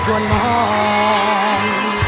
วนมอง